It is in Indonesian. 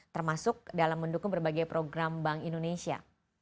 termasuk dalam mendukung berbagai program bank indonesia